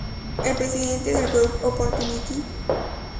Es presidente del grupo Opportunity.